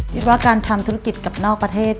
คิดว่าการทำธุรกิจกับนอกประเทศ